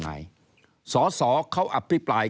ก็จะมาจับทำเป็นพรบงบประมาณ